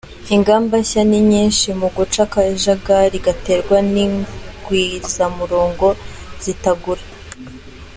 Ingamba nshya ni nyinshi mu guca akajagari gaterwa n’ingwizamurongo zitagura.